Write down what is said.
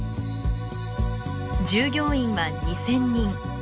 従業員は２，０００人。